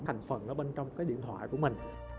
thành phần ở bên trong cái điện thoại của mình